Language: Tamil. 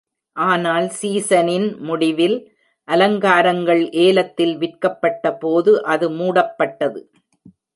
ஆனால் சீசனின் முடிவில், அலங்காரங்கள் ஏலத்தில் விற்கப்பட்டபோது அது மூடப்பட்டது.